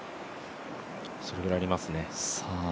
それぐらいありますね。